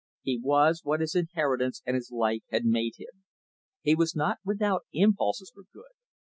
He was what his inheritance and his life had made him. He was not without impulses for good.